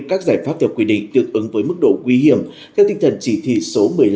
các giải pháp theo quy định tương ứng với mức độ nguy hiểm theo tinh thần chỉ thị số một mươi năm